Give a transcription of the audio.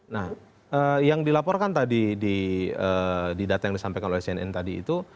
nah yang dilaporkan tadi di data yang disampaikan oleh cnn tadi itu